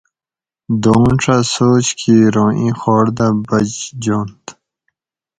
دونڄ اۤ سوچ کِیر اُوں ایں خوڑ دہ بچجنت